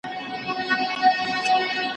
ایا ته پوهېږې چې د شپې کم خوب د انرژۍ کمی کوي؟